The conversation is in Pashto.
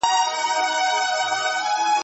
د اسلام په رڼا کي هر زړه خوشاله کېږي.